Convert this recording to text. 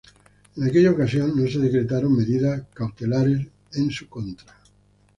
En aquella ocasión no se decretaron medidas cautelares en su contra.